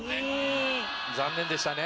残念でしたね。